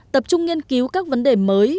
tập trung nghiên cứu các vấn đề mới